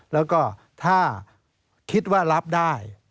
แล้วก็ถ้าคิดว่ารับได้